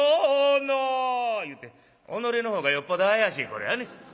言うて己のほうがよっぽど怪しいこれはね。